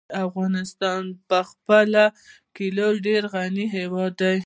افغانستان په خپلو کلیو ډېر غني هېواد دی.